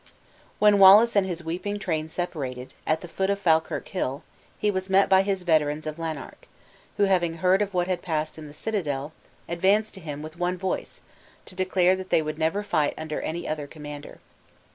When Wallace and his weeping train separated, at the foot of Falkirk Hill, he was met by his veterans of Lanark; who, having heard of what had passed in the citadel, advanced to him with one voice, to declare that they never would fight under any other commander.